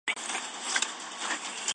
女儿嫁给袁世凯八子袁克轸为妻。